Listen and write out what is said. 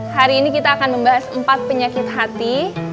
hari ini kita akan membahas empat penyakit hati